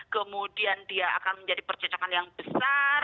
kemudian dia akan menjadi percocokan yang besar